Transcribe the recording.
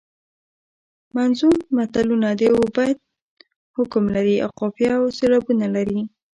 منظوم متلونه د یوه بیت حکم لري او قافیه او سیلابونه لري